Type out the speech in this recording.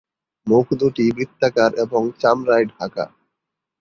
মুখ দুটি বৃত্তাকার এবং চামড়ায় ঢকা।